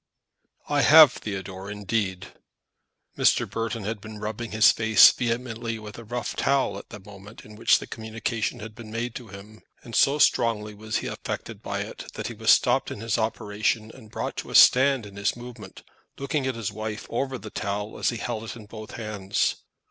"I have, Theodore, indeed." Mr. Burton had been rubbing his face vehemently with a rough towel at the moment in which the communication had been made to him, and so strongly was he affected by it that he was stopped in his operation and brought to a stand in his movement, looking at his wife over the towel as he held it in both his hands.